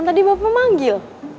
tadi bapak memanggil